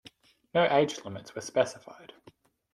No age limits were specified.